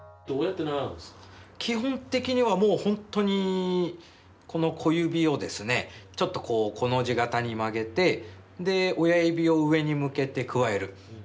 基本的にはもう本当にこの小指をですねちょっとコの字形に曲げてで親指を上に向けてくわえる。